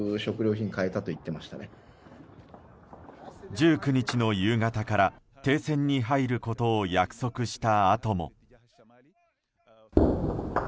１９日の夕方から、停戦に入ることを約束したあとも。